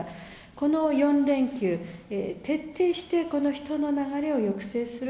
この４連休、徹底してこの人の流れを抑制する。